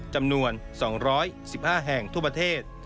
จำนวนสองร้อยสิบห้าแห่งทั่วประเทศ